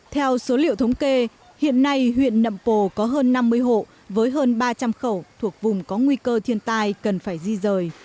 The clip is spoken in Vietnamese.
theo số liệu thống kê hiện nay huyện nậm pồ có hơn năm mươi hộ với hơn ba trăm linh khẩu thuộc vùng có nguy cơ thiên tai cần phải di rời